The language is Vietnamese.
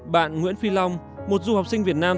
bạn nguyễn phi long một du học sinh việt nam